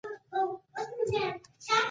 چوکۍ د نوي نسل خوښ انتخاب دی.